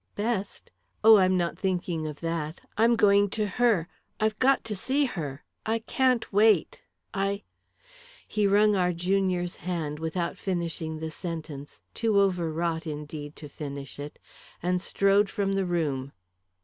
"Best? Oh, I'm not thinking of that! I'm going to her I've got to see her! I can't wait! I " He wrung our junior's hand without finishing the sentence; too overwrought, indeed, to finish it and strode from the room.